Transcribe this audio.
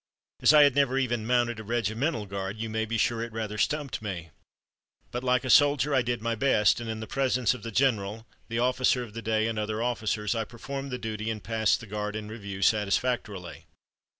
As I had never even mounted a regimental guard, you may be sure it rather stumped me, but like a soldier I did my best, and in the presence of the general, the officer of the day, and other officers I performed the duty and passed the guard in review satisfactorily."